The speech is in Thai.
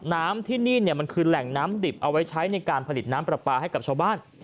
น้ำที่นี่มันคือแหล่งน้ำดิบเอาไว้ใช้ในการผลิตน้ำปลาปลาให้กับชาวบ้าน